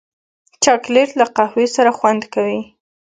چاکلېټ له قهوې سره خوند کوي.